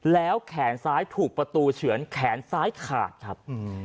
แล้วแขนซ้ายถูกประตูเฉือนแขนซ้ายขาดครับ